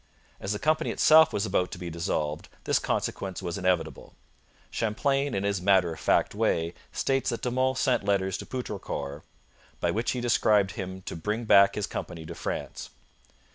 As the company itself was about to be dissolved, this consequence was inevitable. Champlain in his matter of fact way states that De Monts sent letters to Poutrincourt, 'by which he directed him to bring back his company to France.'